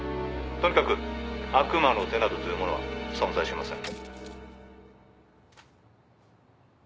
とにかく悪魔の手などというものは存在しません。